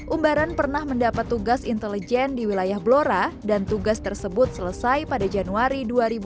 umbaran pernah mendapat tugas intelijen di wilayah blora dan tugas tersebut selesai pada januari dua ribu dua puluh